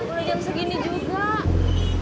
udah jam segini juga